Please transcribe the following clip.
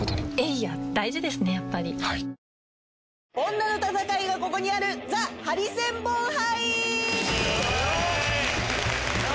女の戦いがここにあるＴＨＥハリセンボン杯！